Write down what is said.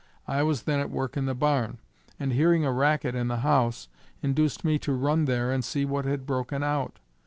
I was then at work in the barn, and hearing a racket in the house, induced me to run there and see what had broken out.